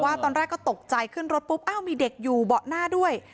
ตอนแรกก็ตกใจขึ้นรถปุ๊บอ้าวมีเด็กอยู่เบาะหน้าด้วย